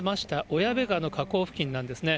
小矢部川の河口付近なんですね。